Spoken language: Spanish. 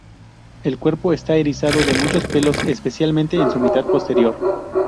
El cuerpo está erizado de muchos pelos especialmente en su mitad posterior.